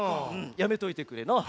やめといてくれな。